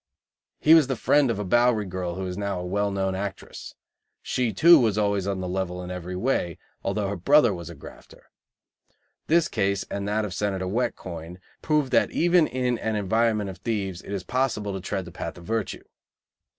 He was the friend of a Bowery girl who is now a well known actress. She, too, was always on the level in every way; although her brother was a grafter; this case, and that of Senator Wet Coin prove that even in an environment of thieves it is possible to tread the path of virtue.